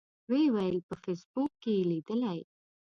و یې ویل په فیسبوک کې یې لیدلي.